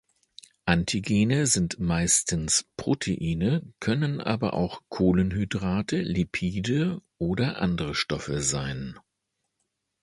Antigene sind meistens Proteine, können aber auch Kohlenhydrate, Lipide oder andere Stoffe sein.